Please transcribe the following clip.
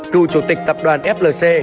cựu chủ tịch tập đoàn flc